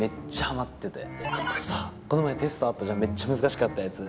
あとさこの前テストあったじゃんめっちゃ難しかったやつ。